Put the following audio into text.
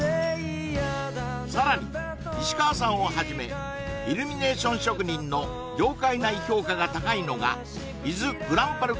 さらに石川さんをはじめイルミネーション職人の業界内評価が高いのが伊豆ぐらんぱる